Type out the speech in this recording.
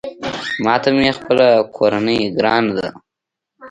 ماته مې خپله کورنۍ ګرانه ده